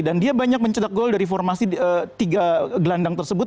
dan dia banyak mencetak gol dari formasi tiga gelandang tersebut